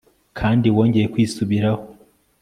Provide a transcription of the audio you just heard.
kandi wongeye kwisubiraho